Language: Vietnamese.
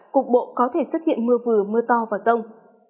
cục bộ có thể xuất hiện mưa vừa mưa to và rông